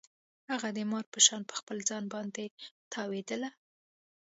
هغه د مار په شان په خپل ځان باندې تاوېدله.